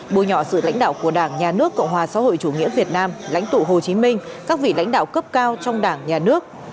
bôi nhọ sự lãnh đạo của đảng nhà nước cộng hòa xã hội chủ nghĩa việt nam lãnh tụ hồ chí minh các vị lãnh đạo cấp cao trong đảng nhà nước